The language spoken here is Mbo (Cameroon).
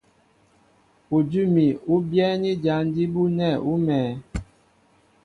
Udʉ́ úmi ní byɛ́ɛ́ní jǎn jí bú nɛ̂ ú mɛ̄ɛ̄.